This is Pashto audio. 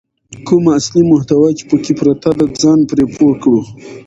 کومه اصلي محتوا چې پکې پرته ده ځان پرې پوه کړو.